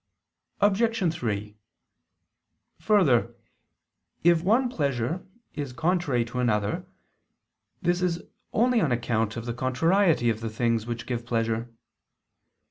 Obj. 3: Further, if one pleasure is contrary to another, this is only on account of the contrariety of the things which give pleasure.